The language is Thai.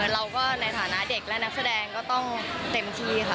เราก็ในฐานะเด็กและนักแสดงก็ต้องเต็มที่ค่ะ